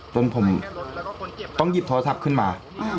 จนผมต้องหยิบโทรศัพท์ขึ้นมา